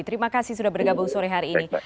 terima kasih sudah bergabung sore hari ini